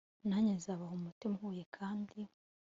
nanjye nzabaha umutima uhuye kandi